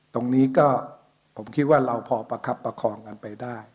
ตรงนี้ก็ผมคิดว่าเราพอประคับประคองกันไปได้